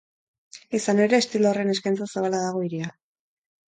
Izan ere, estilo horren eskaintza zabala dago hirian.